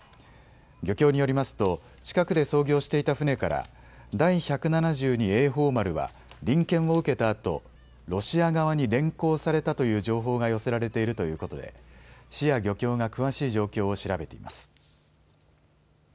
漁協によりますと近くで操業していた船から第百七十二榮寳丸は臨検を受けたあとロシア側に連行されたという情報が寄せられているということで市や漁協が詳しい状況を調べています。